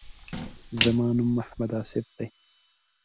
زما نوم محمد آصف دی.